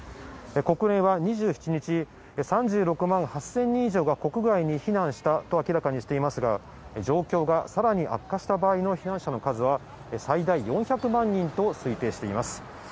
国連は２７日、３６万８０００人以上が国外に避難したと明らかにしていますが、状況がさらに悪化した場合の避難者の数は、最大４００万人と推定しています。